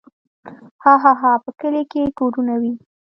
هاهاها په کلي کې کورونه وي.